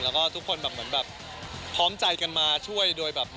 แล้วก็ทุกคนแบบพร้อมใจกันมาช่วยโดยแบบ